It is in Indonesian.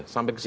sampai ke sana